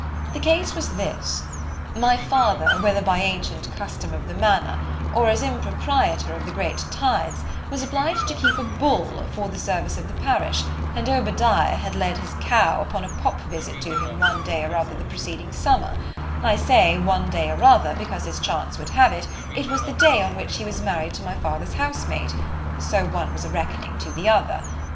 The case was this: My father, whether by ancient custom of the manor, or as impropriator of the great tythes, was obliged to keep a Bull for the service of the Parish, and Obadiah had led his cow upon a pop visit to him one day or other the preceding summer——I say, one day or other—because as chance would have it, it was the day on which he was married to my father's house maid——so one was a reckoning to the other.